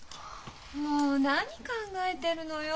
もう何考えてるのよ。